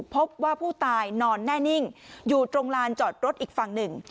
พบว่าผู้ตายนอนแน่นิ่งอยู่ตรงลานจอดรถอีกฝั่งหนึ่ง